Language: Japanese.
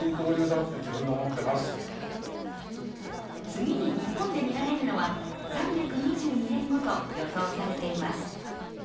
次に日本で見られるのは３２２年後と予想されています。